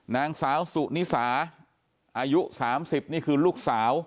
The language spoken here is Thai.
นางสาวสุนิสาอายุ๓๐นี่คือลูกสาว